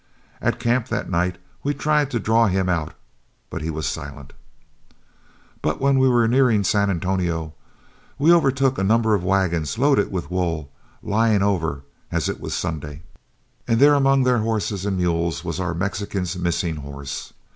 At camp that night we tried to draw him out, but he was silent. "But when we were nearing San Antonio, we overtook a number of wagons loaded with wool, lying over, as it was Sunday, and there among their horses and mules was our Mexican's missing horse.